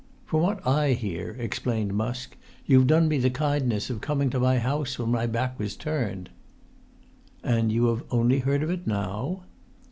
"From what I hear," explained Musk, "you've done me the kindness of coming to my house when my back was turned." "And you have only heard of it now?"